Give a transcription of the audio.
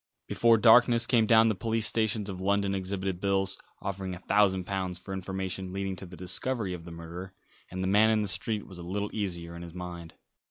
Before darkness came down the police stations of London exhibited bills, offering a thousand pounds for information leading to the discovery of the murderer, and the man in the street was a little easier in his mind.